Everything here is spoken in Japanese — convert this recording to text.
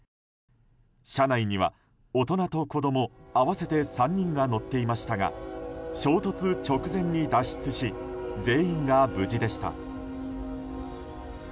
車内には大人と子供合わせて３人が乗っていましたが衝突直前に脱出し全員が無事でした。